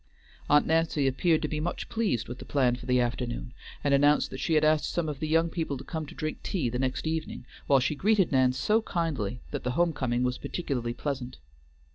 Aunt Nancy appeared to be much pleased with the plan for the afternoon, and announced that she had asked some of the young people to come to drink tea the next evening, while she greeted Nan so kindly that the home coming was particularly pleasant.